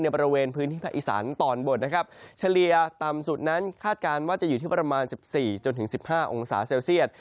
บริเวณพื้นที่ภาคอีสานตอนบนนะครับเฉลี่ยต่ำสุดนั้นคาดการณ์ว่าจะอยู่ที่ประมาณ๑๔๑๕องศาเซลเซียต